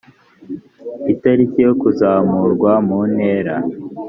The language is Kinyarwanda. itariki yo kuzamurwa mu ntera